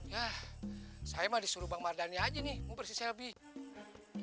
yah saya mah disuruh bang mardhani aja nih mumpir si selby